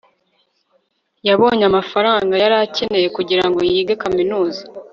yabonye amafaranga yari akeneye kugirango yige kaminuza